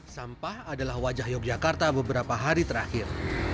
sampah adalah wajah yogyakarta beberapa hari terakhir